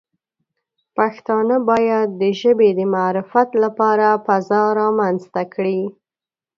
پښتانه باید د ژبې د معرفت لپاره فضا رامنځته کړي.